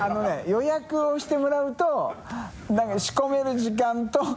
予約をしてもらうと世仕込める時間と。